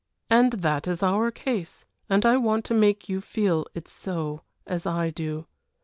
And that is our case, and I want to make you feel it so, as I do.